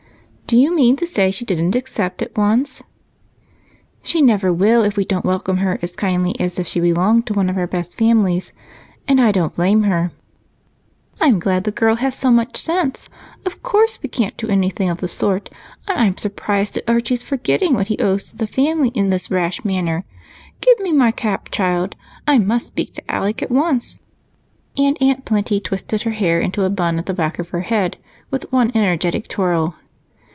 "Do you mean to say she didn't accept at once?" "She never will if we don't welcome her as kindly as if she belonged to one of our best families, and I don't blame her." "I'm glad the girl has so much sense. Of course we can't do anything of the sort, and I'm surprised at Archie's forgetting what he owes to the family in this rash manner. Give me my cap, child I must speak to Alec at once." And Aunt Plenty twisted her hair into a button at the back of her head with one energetic twirl.